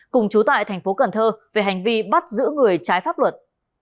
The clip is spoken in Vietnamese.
cùng chú tại tp cn về hành vi bắt giữ người trái pháp luật